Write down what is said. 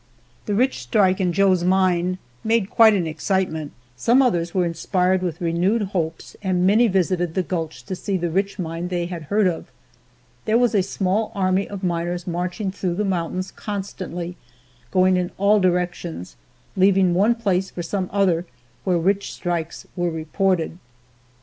The rich strike in Joe's mine made quite an excitement. Some others were inspired with renewed hopes and many visited the gulch to see the rich mine they had heard of. There was a small army of miners marching through the mountains constantly, going in all directions, leaving one place for some other where rich strikes were reported.